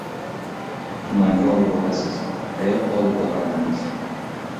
— Tumanga olib borasiz, qayoqqa olib borardingiz?